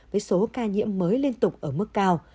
với số ca nhiễm mới liên tục ở mức cao